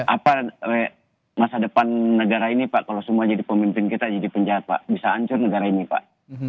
apa masa depan negara ini pak kalau semua jadi pemimpin kita jadi penjahat pak bisa hancur negara ini pak